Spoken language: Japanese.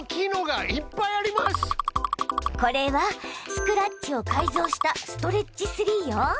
これはスクラッチを改造したストレッチスリーよ。